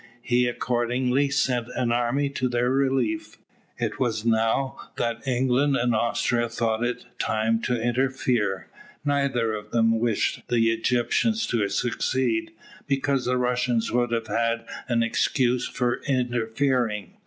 He accordingly sent an army to their relief. It was now that England and Austria thought it time to interfere. Neither of them wished the Egyptians to succeed, because the Russians would have had an excuse for interfering.